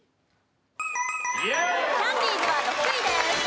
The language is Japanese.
キャンディースは６位です。